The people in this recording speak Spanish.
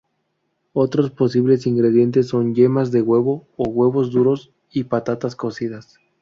Otros posibles ingredientes son yemas de huevo o huevos duros y patatas cocidas.